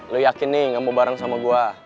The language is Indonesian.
lo yakin nih gak mau bareng sama gue